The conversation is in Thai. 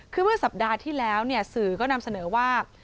คือเมื่อสัปดาห์ที่แล้วสื่อก็นำเสนอว่า